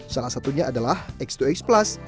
salah satunya adalah x dua x plus